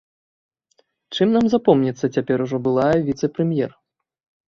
Чым нам запомніцца цяпер ужо былая віцэ-прэм'ер?